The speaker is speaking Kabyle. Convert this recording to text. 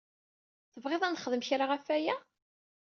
Tebɣiḍ ad nexdem kra ɣef waya?